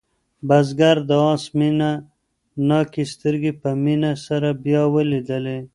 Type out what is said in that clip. بزګر د آس مینه ناکې سترګې په مینه سره بیا ولیدلې.